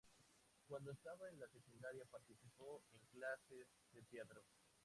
Cuando estaba en la secundaria participó en clases de teatro.